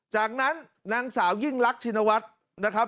จากนั้นนางสาวยิ่งรักชินวัตร